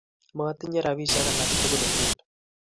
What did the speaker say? Matinye rapisyek alak tukul nguni